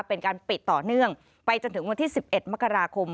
เป็นการปิดต่อเนื่องไปจนถึงวันที่๑๑มกราคม